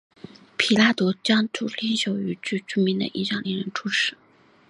彼拉多将其中的领袖与具有影响力的人处死。